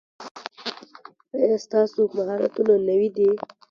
ایا ستاسو مهارتونه نوي دي؟